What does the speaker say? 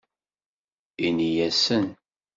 In-asen